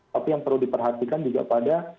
tapi yang perlu diperhatikan juga pada